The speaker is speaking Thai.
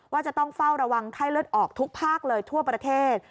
ว่าจะต้องเฝ้าระวังไข้เลือดออกทุกภาคเลยทั่วประเทศ